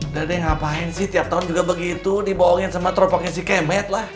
udah deh ngapain sih tiap tahun juga begitu dibohongin sama teropongnya si kemet lah